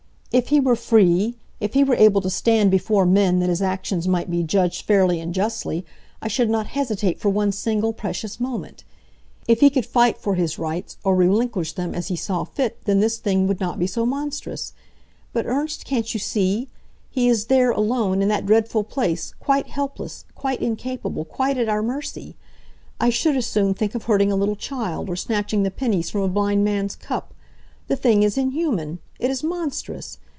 If he were free, if he were able to stand before men that his actions might be judged fairly and justly, I should not hesitate for one single, precious moment. If he could fight for his rights, or relinquish them, as he saw fit, then this thing would not be so monstrous. But, Ernst, can't you see? He is there, alone, in that dreadful place, quite helpless, quite incapable, quite at our mercy. I should as soon think of hurting a little child, or snatching the pennies from a blind man's cup. The thing is inhuman! It is monstrous!